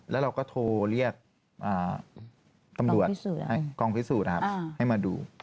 แล้วเราก็โทรเรียกตำรวจกองพิสูจน์ให้มาดู